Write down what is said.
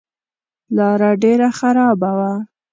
لاره ډېره خرابه وه.